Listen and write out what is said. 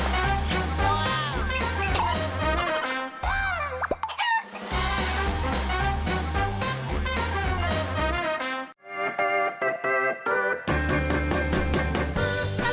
สวัสดีครับสวัสดีครับ